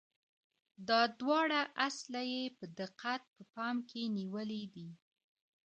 دا دواړه اصله یې په دقت په پام کې نیولي دي.